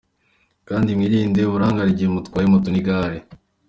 kandi mwirinde uburangare igihe mutwaye moto n’igare."